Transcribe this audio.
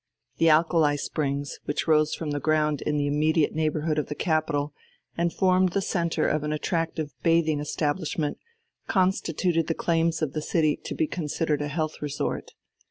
The alkali springs, which rose from the ground in the immediate neighbourhood of the capital and formed the centre of an attractive bathing establishment, constituted the claims of the city to be considered a health resort.